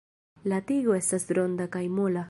La tigo estas ronda kaj mola.